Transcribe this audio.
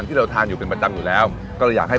คนที่มาทานอย่างเงี้ยควรจะมาทานแบบคนเดียวนะครับ